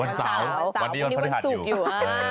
วันเสาร์วันนี้วันศุกร์อยู่